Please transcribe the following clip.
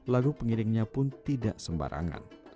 lagu pengiringnya pun tidak sembarangan